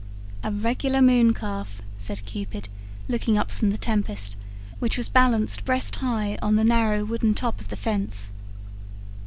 "A regular moon calf!" said Cupid, looking up from THE TEMPEST, which was balanced breast high on the narrow wooden top of the fence.